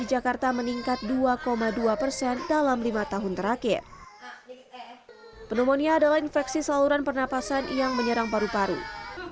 jika tidak ditangani dengan barat penyakit pneumonia akan menyebabkan penyakit pneumonia